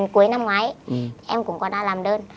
cuối năm ngoái em cũng đã làm đơn